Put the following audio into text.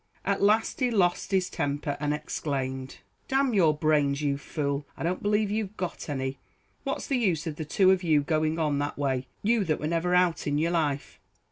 At last he lost his temper, and exclaimed "D your brains, you fool I don't believe you've got any! what's the use of the two of you going on that way you that were never out in your life.